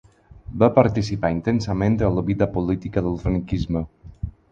Va participar intensament en la vida política del franquisme.